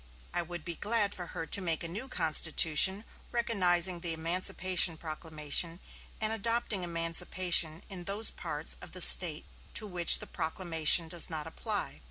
"I would be glad for her to make a new constitution recognizing the emancipation proclamation and adopting emancipation in those parts of the State to which the proclamation does not apply.